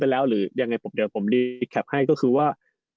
เป็นแล้วหรือยังไงผมเดี๋ยวผมดีแคบให้ก็คือว่าช่วง